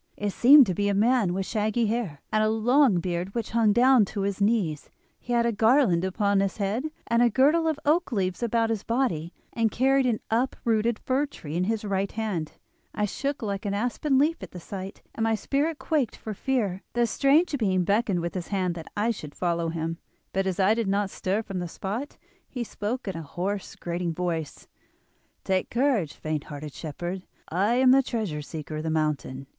It seemed to be a man with shaggy hair, and a long beard which hung down to his knees. He had a garland upon his head, and a girdle of oak leaves about his body, and carried an uprooted fir tree in his right hand. I shook like an aspen leaf at the sight, and my spirit quaked for fear. The strange being beckoned with his hand that I should follow him; but as I did not stir from the spot he spoke in a hoarse, grating voice: 'Take courage, faint hearted shepherd. I am the Treasure Seeker of the mountain.